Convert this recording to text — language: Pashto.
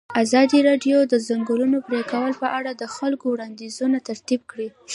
ازادي راډیو د د ځنګلونو پرېکول په اړه د خلکو وړاندیزونه ترتیب کړي.